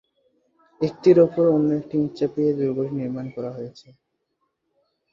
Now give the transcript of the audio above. একটির ওপরে অন্য একটি ইট চাপিয়ে এই দুর্গটি নির্মাণ করা হয়েছে।